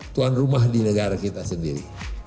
tuan rumah di negara kita sendiri